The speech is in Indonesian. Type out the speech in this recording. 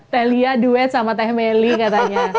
teh lia duet sama teh meli katanya